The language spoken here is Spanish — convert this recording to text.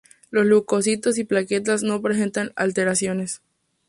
Los Leucocitos y plaquetas no presentan alteraciones.